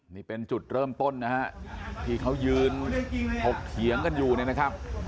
นี่เป็นจุดเริ่มต้นนะฮะที่เขายืนถกเถียงกันอยู่เนี่ยนะครับ